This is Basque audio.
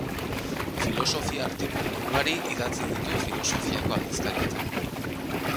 Filosofia-artikulu ugari idatzi ditu filosofiako aldizkarietan.